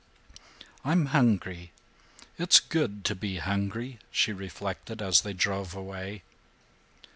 "I'm hungry. It's good to be hungry," she reflected, as they drove away.